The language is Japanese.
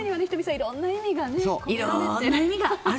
いろんな意味があるの。